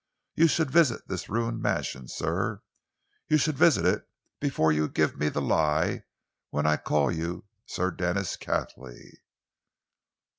You should visit this ruined mansion, sir. You should visit it before you give me the lie when I call you Sir Denis Cathley."